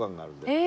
へえ！